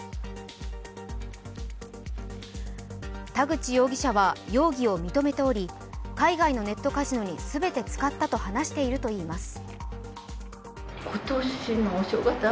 田口容疑者は容疑を認めており海外のネットカジノに全て使ったと話しているといいます。